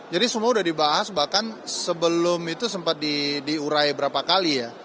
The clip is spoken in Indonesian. jadi semua sudah dibahas bahkan sebelum itu sempat diurai berapa kali ya